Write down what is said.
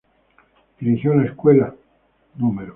Dirigió la escuela no.